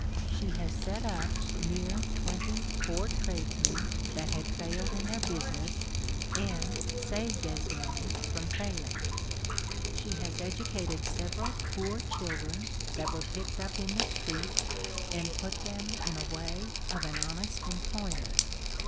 She has set up near ■ twenty poor tradesmen that had failed in their busii 80 A SERIOUS CALL TO A ness^ and saved as many from failing . She has edu cated several poor children that were picked up in the streets, and put them in a way of an honest employ ment.